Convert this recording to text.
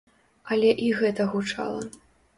Але і гэта гучала.